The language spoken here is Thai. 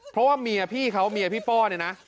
เพราะว่าเมียพี่เขาเมียพี่ป้อเนี่ยนะ